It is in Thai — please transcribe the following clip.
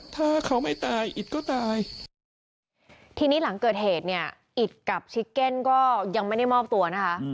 ทีนี้หลังเกิดเหตุนี่อิตกับชิ๊เก้นก็ยังไม่ได้มอบตัวนะคะ